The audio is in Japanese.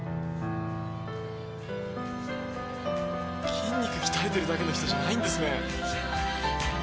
筋肉鍛えてるだけの人じゃないんですね。